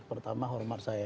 pertama hormat saya